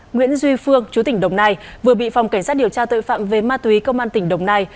nguyễn duy phương chú tỉnh đồng nai vừa bị phòng cảnh sát điều tra tội phạm về ma túy công an tỉnh đồng nai